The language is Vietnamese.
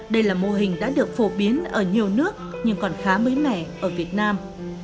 đây là mô hình đã được phổ biến ở nhiều nước nhưng còn khá mới mẻ ở việt nam